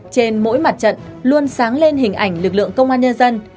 trên mỗi mặt trận luôn sáng lên hình ảnh lực lượng công an nhân dân